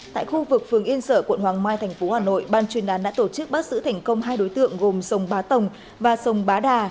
tại khu vực phường yên sở quận hoàng mai tp hà nội ban chuyên đán đã tổ chức bắt xử thành công hai đối tượng gồm sông bá tồng và sông bá đà